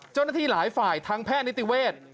เจ้าหน้าที่หลายฝ่ายทั้งแพทย์นิติเวทย์